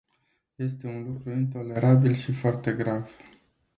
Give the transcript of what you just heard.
Este un lucru intolerabil și foarte grav.